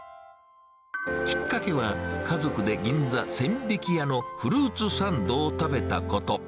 きっかけは、家族で銀座・千疋屋のフルーツサンドを食べたこと。